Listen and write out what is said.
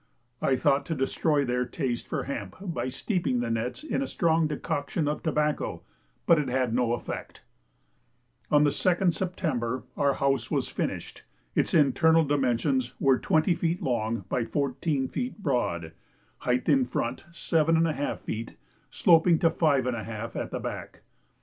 I thought to destroy their taste for hemp by steeping the nets in a strong decoction of tobacco, but it had no effect. On the 2nd September our house was finished; its internal dimensions were 20 feet long by 14 feet broad, height in front 7½ feet, sloping to 5½ at the back.